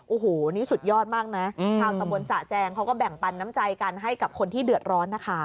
โอ้โหนี่สุดยอดมากนะชาวตำบลสะแจงเขาก็แบ่งปันน้ำใจกันให้กับคนที่เดือดร้อนนะคะ